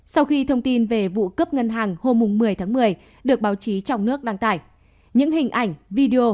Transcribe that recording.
sau khi thông tin về vụ cướp ngân hàng hôm một mươi tháng một mươi được báo chí trong nước đăng tải những hình ảnh video